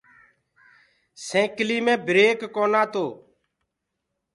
سيڪلي مي بِرڪ ڪونآ تو۔